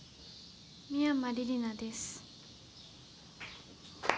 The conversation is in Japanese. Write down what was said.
美山李里奈です。